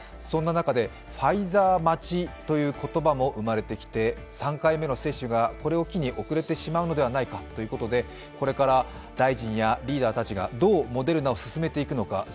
そんな中でファイザー待ちという言葉も生まれてきて３回目の接種がこれを機に遅れてしまうのではないかということでこれから大臣やリーダーたちがどうモデルナをすすめていくのか